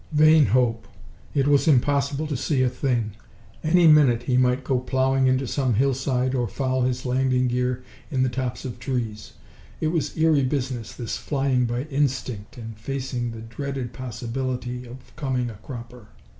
Vain hope. It was impossible to see a thing. Any minute he might go plowing into some hillside or foul his landing gear in the tops of trees. It was eerie business, this flying by instinct and facing the dreaded possibility of coming a cropper.